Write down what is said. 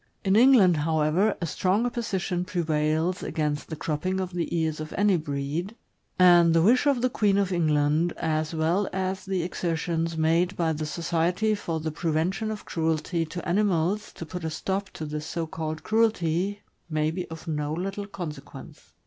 In England, however, a strong opposition prevails against the cropping of the ears of any breed, and the wish of the Queen of England, as well as the exertions made by the Society for the Prevention of Cruelty to Ani mals to put a stop to this so called cruelty, may be of no little consequence.